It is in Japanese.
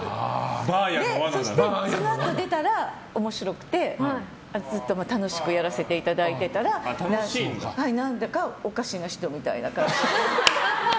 そのあと出たら面白くて楽しくやらせていただいてたら何だかおかしな人みたいな感じに。